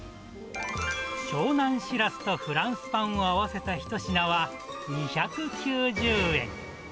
湘南シラスとフランスパンを合わせた一品は２９０円。